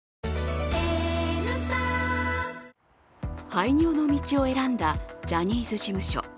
廃業の道を選んだジャニーズ事務所。